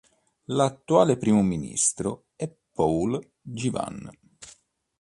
L'attuale Primo Ministro è Paul Givan.